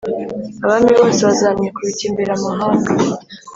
Abami bose bazamwikubita imbere Amahanga